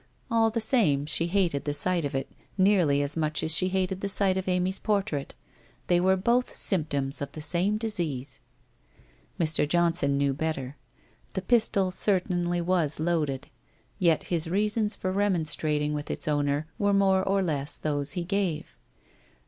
All the same she hated the sight of it nearly as much as she hated the sight of Amy's portrait. They were both symptoms of the same disease. Mr. Johnson knew better. The pistol certainly was loaded, yet his reasons for remonstrating with its owner were more or less those he gave.